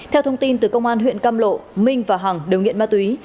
theo thông tin từ công an huyện cam lộ minh và hằng đều nghiện ma túy